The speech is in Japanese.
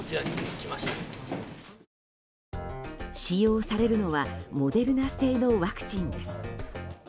使用されるのはモデルナ製のワクチンです。